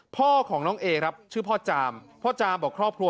พ่อของน้องเอครับชื่อพ่อจามพ่อจามบอกครอบครัว